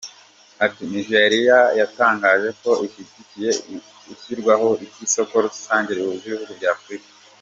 Ati: “Nigeriya yatangaje ko ishyigikiye ishyirwaho ry’isoko rusange rihuza ibihugu bya Afurika.